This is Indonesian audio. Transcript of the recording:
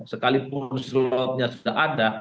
sekalipun slotnya sudah ada